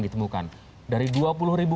ditemukan dari dua puluh ribu